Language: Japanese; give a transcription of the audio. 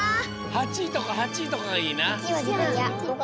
８いとか８いとかがいいな！